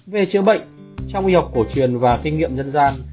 về chữa bệnh trong y học cổ truyền và kinh nghiệm dân gian